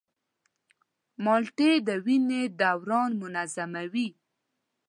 مالټې د وینې دوران منظموي.